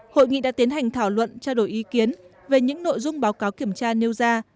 hội nghị đã tiến hành thảo luận trao đổi ý kiến về những nội dung báo cáo kiểm tra nêu ra